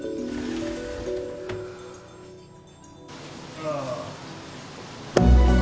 ああ。